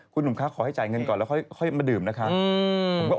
คุณหนุ่มคะขอให้จ่ายเงินก่อนแล้วค่อยมาดื่มนะคะ